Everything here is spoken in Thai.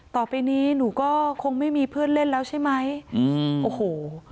ต่อไปนี้หนูก็คงไม่มีเพื่อนเล่นแล้วใช่ไหมอืมโอ้โห